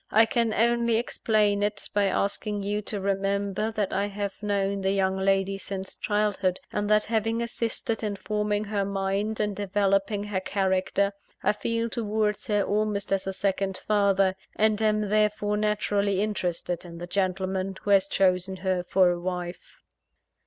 I can only explain it, by asking you to remember that I have known the young lady since childhood; and that, having assisted in forming her mind and developing her character, I feel towards her almost as a second father, and am therefore naturally interested in the gentleman who has chosen her for a wife."